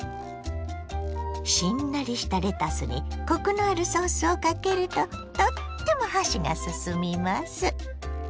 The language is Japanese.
しんなりしたレタスにコクのあるソースをかけるととっても箸がすすみます。